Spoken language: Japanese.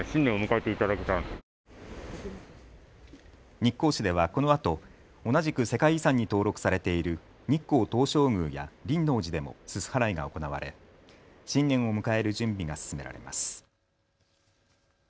日光市ではこのあと同じく世界遺産に登録されている日光東照宮や輪王寺でもすす払いが行われ新年を迎える準備が進められます。